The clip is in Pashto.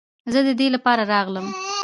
زه د دې لپاره راغلم.